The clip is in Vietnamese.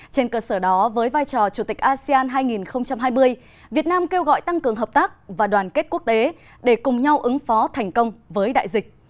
trên cơ sở đó với vai trò chủ tịch asean hai nghìn hai mươi việt nam kêu gọi tăng cường hợp tác và đoàn kết quốc tế để cùng nhau ứng phó thành công với đại dịch